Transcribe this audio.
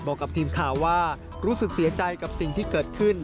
บอกกับทีมข่าวว่ารู้สึกเสียใจกับสิ่งที่เกิดขึ้น